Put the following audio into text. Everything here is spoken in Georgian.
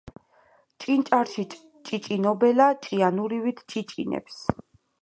ჭინჭარში ჭიჭინობელა ჭიანურივით ჭიჭინებს